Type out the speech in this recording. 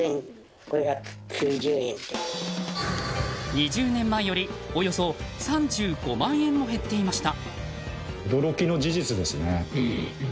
２０年前よりおよそ３５万円も減っていました。